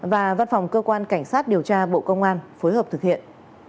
và văn phòng cơ quan cảnh sát điều tra bộ công an phối hợp thực hiện